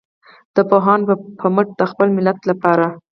د پوهانو په مټ د خپل ملت لپاره.